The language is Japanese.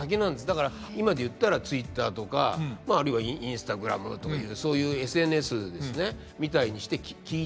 だから今で言ったらツイッターとかあるいはインスタグラムとかいうそういうＳＮＳですねみたいにして聞いてると。